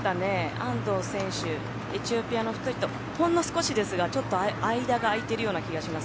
安藤選手、エチオピアの２人とほんの少しですが間があいているような気がします。